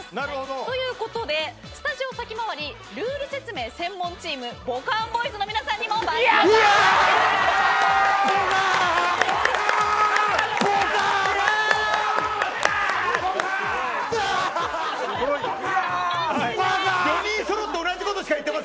ということでスタジオ先回りルール説明専門チームボカーンボーイズの皆さんにもお手伝いしていただきます。